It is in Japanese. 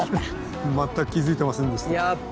全く気付いてませんでしたははっ。